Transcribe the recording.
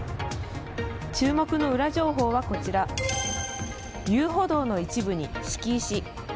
注目のウラ情報はこちら遊歩道の一部に敷石。